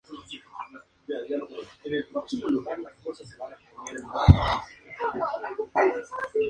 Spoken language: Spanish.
Va seguido por el nombre del que la ofrece.